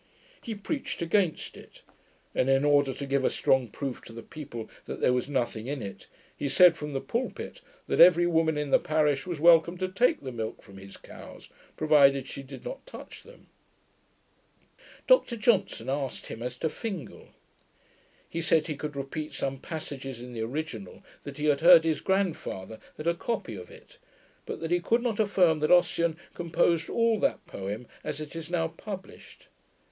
He preached against it; and in order to give a strong proof to the people that there was nothing in it, he said from the pulpit, that every woman in the parish was welcome to take the milk from his cows, provided she did not touch them. Dr Johnson asked him as to Fingal. He said he could repeat some passages in the original, that he heard his grandfather had a copy of it; but that he could not affirm that Ossian composed all that poem as it is now published.